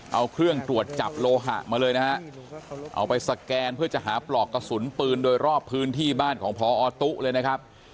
เอาเครื่องตรวจจับโลหะมาเลยนะฮะเอาไปสแกนเพื่อจะหาปลอกกระสุนปืนโดยรอบพื้นที่บ้านของพอตุ๊เลยนะครับ